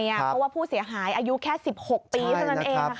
เพราะว่าผู้เสียหายอายุแค่๑๖ปีเท่านั้นเอง